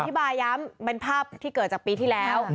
บายย้ำเป็นภาพที่เกิดจากปีที่แล้ว